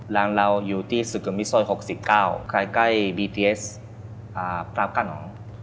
ร้านเราอยู่ที่สุกมิซอย๖๙ใกล้บีทีเอสปลากขนม